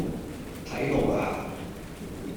睇路呀